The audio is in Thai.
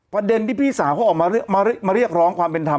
ประเด็นที่พี่สาวเขาออกมาเรียกร้องความเป็นธรรม